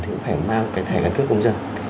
thì cũng phải mang cái thẻ căn cước công dân